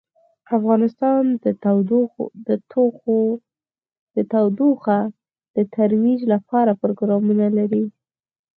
افغانستان د تودوخه د ترویج لپاره پروګرامونه لري.